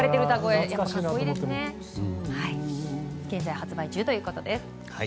現在発売中ということです。